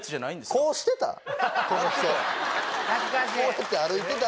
こうしてた？